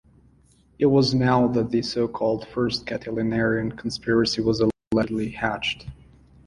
It was now that the so-called First Catilinarian Conspiracy was allegedly hatched.